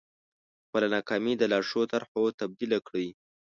خپله ناکامي د لا ښو طرحو تبديله کړئ.